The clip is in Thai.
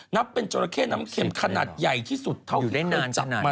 นับเป็นจราเข้น้ำเข็มขนาดใหญ่ที่สุดเท่าที่เคยจับมา